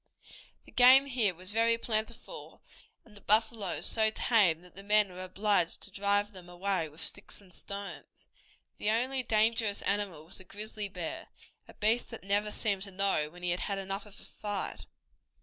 The game here was very plentiful and the buffaloes were so tame that the men were obliged to drive them away with sticks and stones. The only dangerous animal was the grizzly bear, a beast that never seemed to know when he had had enough of a fight.